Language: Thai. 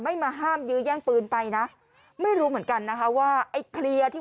มาห้ามยื้อแย่งปืนไปนะไม่รู้เหมือนกันนะคะว่าไอ้เคลียร์ที่